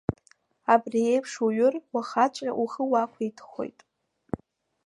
Абри еиԥш уҩыр, уахаҵәҟьа ухы уақәиҭхоит…